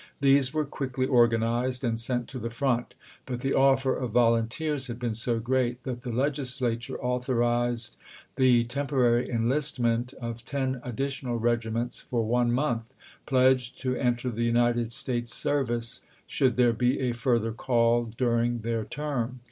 These were quickly organized and sent to the front ; but the offer of volunteers had been so great that the Legislature authorized the temporary enlistment of ten additional regiments for one month, pledged to enter the United States service should there be a further call during their term.